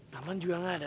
taman juga gak ada